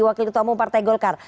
wakil ketua umum partai golkar